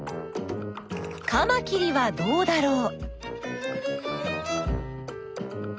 カマキリはどうだろう？